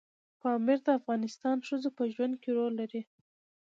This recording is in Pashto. پامیر د افغان ښځو په ژوند کې رول لري.